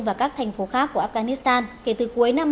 và các thành phố khác của afghanistan kể từ cuối năm hai nghìn một mươi